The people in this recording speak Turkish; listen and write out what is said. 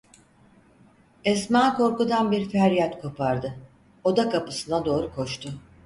Esma korkudan bir feryat kopardı; oda kapısına doğru koştu.